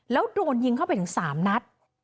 แล้วโดนยิงเข้าไปถึง๓นัด